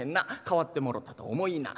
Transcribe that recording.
代わってもろたと思いいな。